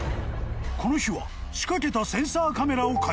［この日は仕掛けた］